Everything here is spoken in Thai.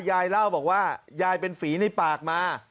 ยายเล่าบอกว่ายายเป็นฝีในปากมา